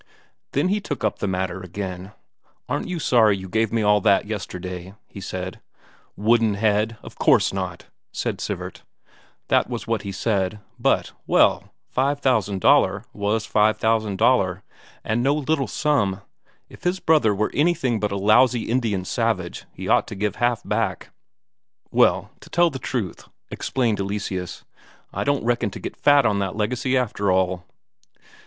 Then he took up the matter again. "Aren't you sorry you gave me all that yesterday?" he said. "Woodenhead! Of course not," said Sivert. That was what he said, but well, five thousand Daler was five thousand Daler, and no little sum; if his brother were anything but a lousy Indian savage, he ought to give back half. "Well, to tell the truth," explained Eleseus, "I don't reckon to get fat on that legacy, after all."